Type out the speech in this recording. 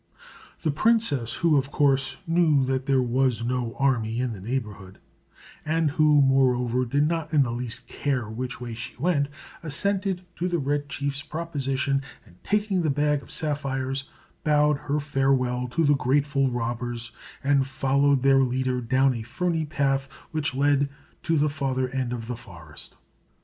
The princess, who of course knew that there was no army in the neighborhood, and who moreover did not in the least care which way she went, assented to the Red Chief's proposition, and taking the bag of sapphires, bowed her farewell to the grateful robbers, and followed their leader down a ferny path which led to the farther end of the forest.